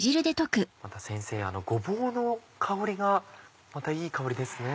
また先生ごぼうの香りがいい香りですね。